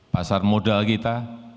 pasar modal kita